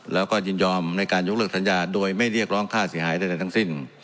แล้วก็ยินยอมในการยกเลิกสัญญาโดยไม่เรียกร้องค่าเสียหายใดทั้งสิ้น